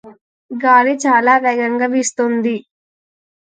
గాలి చాలా వేగంగా వీస్తోంది.